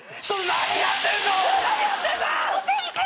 何やってんの！？